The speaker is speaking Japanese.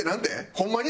ホンマに？